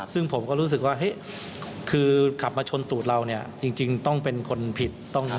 ซึ่งผมก็รู้สึกว่าเฮ้ยคือขับมาชนตูดเราเนี่ยจริงต้องเป็นคนผิดต้องงั้น